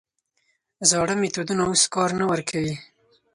زاړه میتودونه اوس کار نه ورکوي.